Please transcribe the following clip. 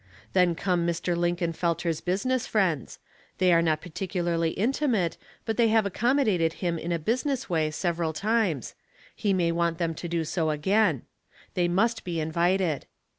Then come Mr. Linken felter's business friends ; they are not particular ly intimate, but they have accommodated him in a business way several times; he may want them to do so again ; they must be invited.